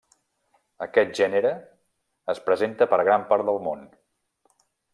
Aquest gènere es presenta per gran part del món.